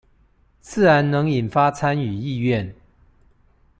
自然能引發參與意願